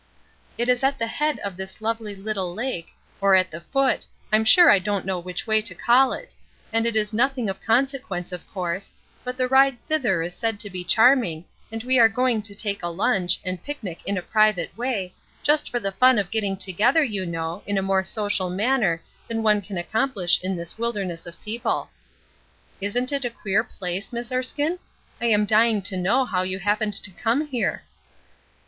"It is at the head of this lovely little lake, or at the foot, I'm sure I don't know which way to call it, and it is nothing of consequence, of course, but the ride thither is said to be charming, and we are going to take a lunch, and picnic in a private way, just for the fun of getting together, you know, in a more social manner than one can accomplish in this wilderness of people. Isn't it a queer place, Miss Erskine? I am dying to know how you happened to come here."